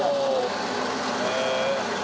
へえ。